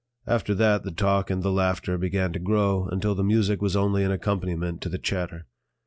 After that the talk and the laughter began to grow until the music was only an accompaniment to the chatter.